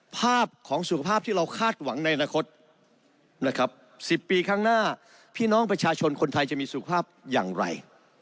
ภาพของสุขภาพที่เราคาดหวังในอนาคตนะครับ๑๐ปีข้างหน้าพี่น้องประชาชนคนไทยจะมีสุขภาพอย่างไร